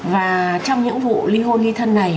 và trong những vụ li hôn li thân này